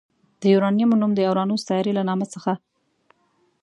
د یوارنیمو نوم د اورانوس سیارې له نامه څخه